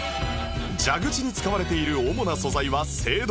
蛇口に使われている主な素材は青銅